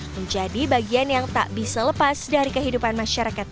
menjadi bagian yang tak bisa lepas dari kehidupan masyarakat